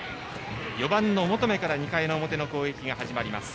４番、求から２回の表の攻撃が始まります。